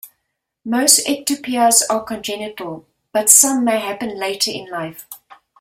Most ectopias are congenital, but some may happen later in life.